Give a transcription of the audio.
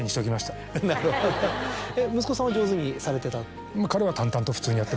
なるほど息子さんは上手にされてた？